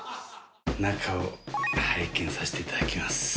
中を拝見させていただきます。